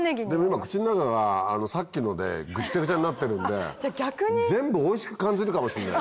今口の中がさっきのでぐっちゃぐちゃになってるんで全部おいしく感じるかもしんない。